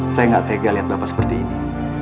saya gak tega lihat bapak seperti ini